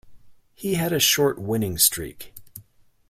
He had a short winning streak.